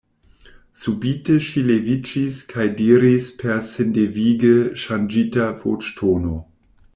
Subite ŝi leviĝis kaj diris per sindevige ŝanĝita voĉtono: